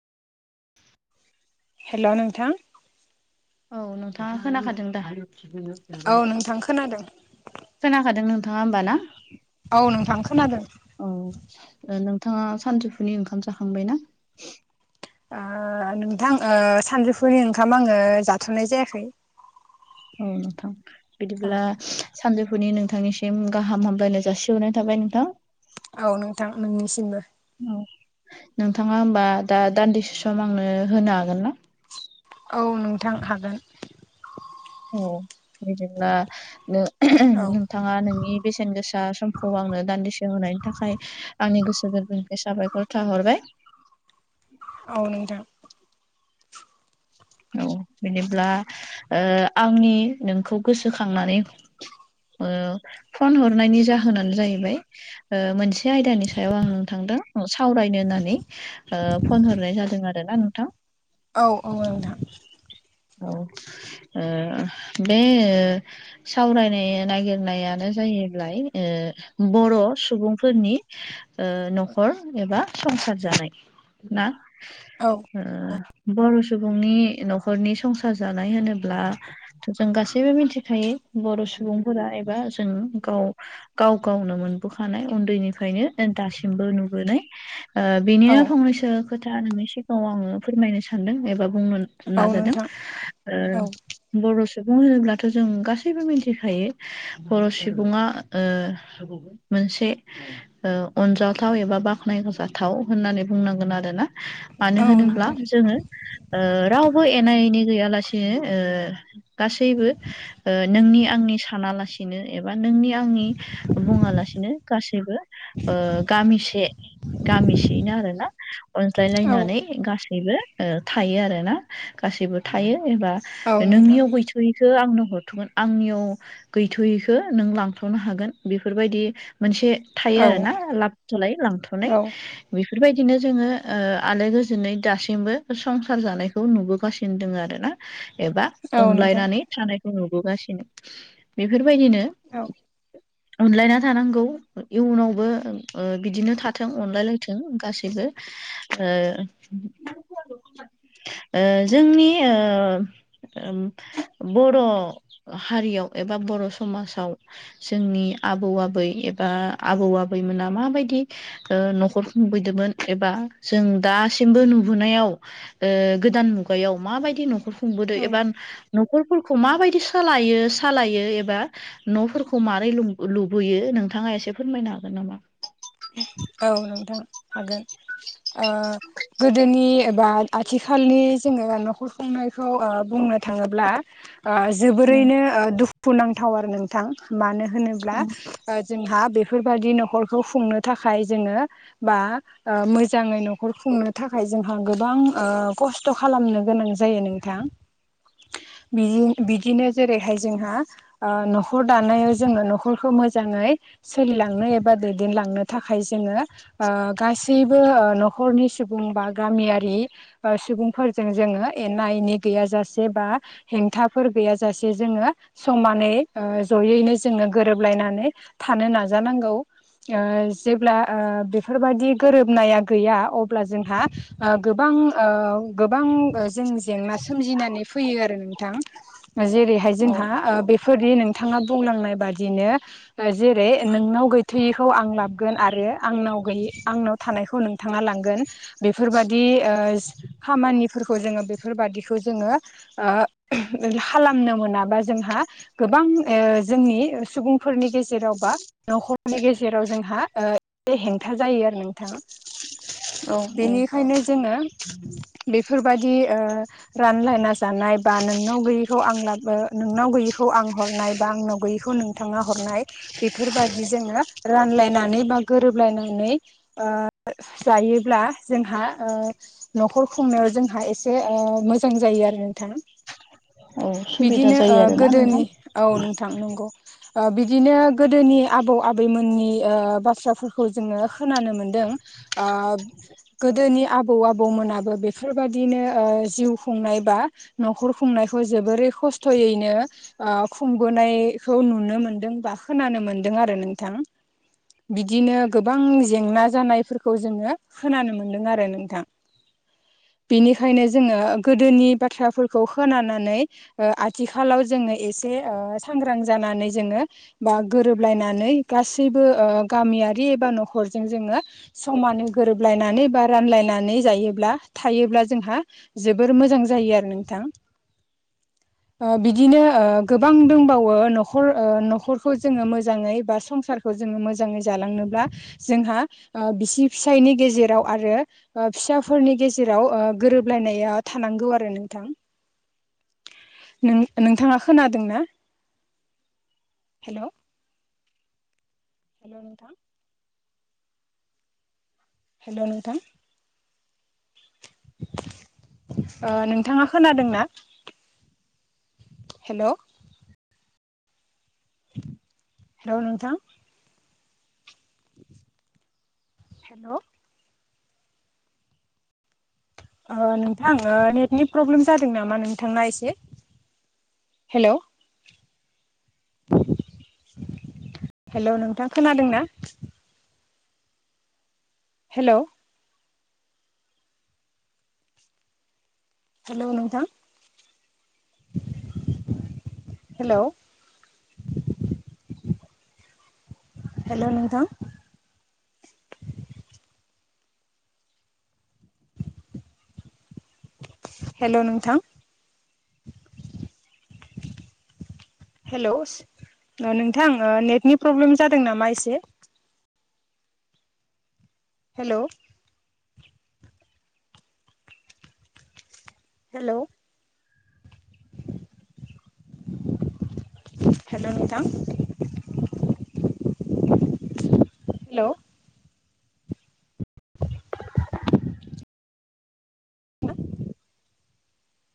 हेल' नोंथां। औ नोंथाङा खोनाखादों दा? औ नोंथां खोनादों। खोनाखादों नोंथाङा होमबा ना। औ नोंथां खोनादों। औ नोंथाङा सानजौफुनि ओंखाम जाखांबाय ना? ओ नोंथां सानजौफुरि ओंखाम आङो जाथ'नाय जायाखै। औ नोंथां। औ बिदिब्ला सानजौफुनि नोंथांनिसिम गाहाम हामलायनाय जासिहरनाय थाबाय नोंथां। औ नोंथां नोंनिसिमबो। औ नोंथाङा होमबा दा दान्दिसे सम आंनो होनो हागोन ना? औ नोंथां हागोन। ओम बिदिब्ला नों औ बिथाङा नोंनि बेसेन गोसा समखौ आंनो दान्दिसे होनायनि थाखाय आंनि गोसो गोरबोनिफ्राय साबायखर खोथाहरबाय। औ नोंथां। औ बिदिब्ला आंनि नोंखौ गोसोखांनानै ओ फन हरनायनि जाहोनानो जाहैबाय मोनसे बे आयदानि सायाव आं नोंथांजों सावरायनो होननानै फन हरनाय जादों आरोना नोंथां। औ औ नोंथां। औ ओ बे सावरायनाय नागिरनायानो जाहैबाय ओ बर' सुबुंफोरनि न'खर एबा संसार जानाय। ना औ। बर' सुबुंनि न'खरनि संसार जानाय होनोब्ला थ' जों गासैबो मिथिखायो बर' सुबुंफोरा एबा जों गाव गाव गावनो मोनबोखानाय उन्दैनिफ्रायनो दासिमबो नुबोनाय। ओ औ बिनिनो फंनैसो खोथा नोंनि सिगाङाव आङो फोरमायनो सानदों एबा बुंनो औ नाजादों नोंथां ओ औ बर' सुबुं होनोब्लाथ' जों गासैबो मिथिखायो बर' सुबुङा ओ मोनसे अनजावाथाव एबा बाख्नायजाथाव होननानै बुंनांगोन आरो ना। मानो औ होनोब्ला नोंथां जोङो राव बो एना एनि गैयालासेनो गासैबो ओ नोंनि आंनि सानालासिनो एबा नोंनि आंनि बुङालासिनो गासैबो ओ गामिसे गामिसेयैनो आरो ना अनज्लाय औ नोंथां औ लायनानै गासै निबो ओ थायो आरोना गासैबो थायो एबा औ नोंथां नोंनियाव नोंनियाव गैयैखौ आंनो हरथ'गोन आंनियाव गैथ'यैखो नों लांथ'नो हागोन बेफोरबायदि मोनसे थायो औ आरो ना लाबथ'लाय लांथ'नाय बेफोरबायदिनो जोङो ओ आलो गोजोनै दासिमबो संसार जानायखौ खौ नुबोगासिनो दङ आरोना एबा अनलायनानै थानायखौ नुबोगासिनो बेफोरबायदिनो अनलायना थानांगौ इयुनावबो ओ बिदिनो थाथों अनलायलायथों गासैबो ओ ओ जोंनि ओ बर' हारियाव एबा बर' समाजाव जोंनि आबौ आबै एबा आबौ आबैमोना माबायदि ओ न'खर खुंबोदोंमोन एबा जों दासिमबो नुुबोनायाव गोदान मुगायाव माबायदि न'खर खुंबोदों एबा नखरफोरखौ माबायदि सालायो सालायो एबा न'फोरखौ मारै लुबैयो नोंथाङा एसे फोरमायनो हागोन नामा औ नोंथां हागोन ओ गोदोनि एबा आथिखालनि जोङो न'खर खुंनायखौ ओ बुंनो थाङोब्ला ओ औ जोबोरैनो ओ दुखु नांथाव आरो नोंथां मानो होनोब्ला जोंहा बेफोरबायदि न'खरखौ खुंनो थाखाय जोङो बा ओ मोजाङै न'खर खुंनो थाखाय जोंहा गोबां खस्थ' खालामनो गोनां जायो नों नोंथां बिदिनो जेरैहाय जोंहा ओ न'खर दानायाव जोङो न'खरखौ मोजाङै सोलिलांनो एबा दैदेनलांनो थाखाय जोङो ओ गासैबो न'खरनि सुबुं बा गामियारि सुबुंफोरजों जोङो एना एनि गैयाजासे बा हेंथाफोर गैयाजासे जोङो समानै ओ जयैनो जोङो गोरोबलायनानै थानो नाजानांगौ। ओ जेब्ला ओ बेफोरबायदि गोरोबनाया गैया अब्ला जोंहा ओ गोबां औ गोबां जों जेंना सोमजिनानै फैयो आरो नोंथां जेरैहाय औ जोंहा बे फोरदि नोंथाङा बुंलांनाय बादिनो जेरै नोंनाव गैथ'यैखौ आं ला गोन आरो आंनाव गैयि आंनाव थानायखौ नोंथाङा लांगोन बेफोरबादि खामानिफोरखौ जोङो बेफोरबादिखौ जोङो ओ खालामनो मोनाबा जोंहा गोबां ओ जोंनि सुबुंफोरनि गेजे जेरावबा न'खरनि गेजेराव जोंहा ओ एसे हेंथा जायो आरो नोंथां औ औ बेनिखायनो जोङो बेफोरबायदि ओ रानलायना जानाय बा नोंनाव गैयैखौ आं लाबो नोंनाव गैयैखौ आं हरनाय बा आंनाव गैयैखौ नोंथाङा हरनाय बेफोरबादि जोङो रानलायनानै बा गोरोबलायनानै ओ जायोब्ला जोंहा ओ न'खर खुंनायाव जोंहा एसे ओ मोजां जायो आरो नोंथां औ सुबिदा बिदिनो ओ जायो आरोना नोंथां गोदोनि औ नोंथां नंगौ ओ बिदिनो गोदोनि आबौ आबैमोननि ओ बाथ्राफोरखौ जोङो खोनानो मोनदों ओ गोदोनि आबौ आबौमोनाबो बेफोरबादिनो ओ जिउ खुंनाय बा न'खर खुंनायखौ जोबोरै खस्थ'यैनो खुंबोनायखौ नुनो मोनदों बा खोनानो मोनदों आरो नोंथां। बिदिनो गोबां जेंना जानायफोरखौ जोङो खोनानो मोनदों आरो नोंथां। बेनिखायनो जोङो गोदोनि बाथ्राफोरखौ खोनानानै ओ आथिखालाव जोङो एसे सांग्रां जानानै जोङो बा गोरोबलायनानै गासैबो गामियारि एबा न'खरजों जोङो समानै गोरोबलायनानै बा रानलायनानै जायोब्ला थायोब्ला जोंहा जोबोर मोजां जायो आरो नोंथां। [inaudible] बिदिनो गोबां दंबावो न'खर न'खरखौ जोङो मोजाङै बा संसारखौ जोङो मोजां जाङै जालांनोब्ला जोंहा बिसि फिसायनि गेजेराव आरो बा फिसाफोरनि गेजेराव गोरोबलायनाया थानांगौ आरो नोंथां। [inaudible] नों नोंथाङा खोनादोंना? हेलौ हेलौ नोंथां हेलौ नोंथां ओ नोंथाङा खोनादोंना हेलौ हेलौ नोंथां हेल' ओ नोंथां नेटनि प्रब्लेम जादों नामा नोंथांना एसे हेलौ हेल' नोंथां खोनादों ना? हेलौ हेलौ नोंथां। हेलौ हेल' नोंथां। हेल' नोंथां। [inaudible] हेलौ ओ नोंथां नेटनि प्रब्लेम जादों नामा एसे। हेलौ हेलौ हेल' नोंथां। हेलौ।